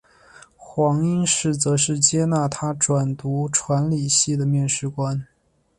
黄应士则是接纳他转读传理系的面试官。